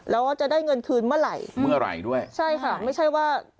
แล้วว่าจะได้เงินคืนเมื่อไหร่เมื่อไหร่ด้วยใช่ค่ะไม่ใช่ว่า